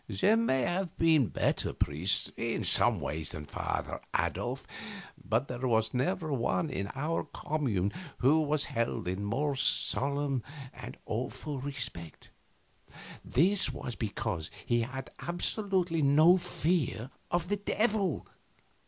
There may have been better priests, in some ways, than Father Adolf, but there was never one in our commune who was held in more solemn and awful respect. This was because he had absolutely no fear of the Devil.